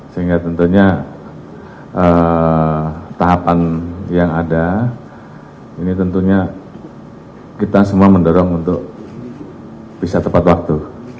sehingga tentunya tahapan yang ada ini tentunya kita semua mendorong untuk bisa tepat waktu